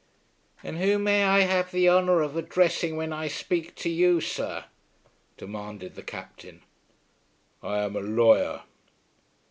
"And who may I have the honour of addressing, when I speak to you, sir?" demanded the Captain. "I am a lawyer."